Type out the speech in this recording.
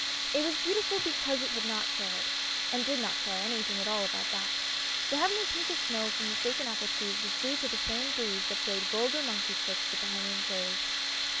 It was beautiful because it had not cared, and did not care, anything at all about that. The heavenly pinkish snow from the shaken apple trees was due to the same breeze that played vulgar monkey tricks with the hanging clothes.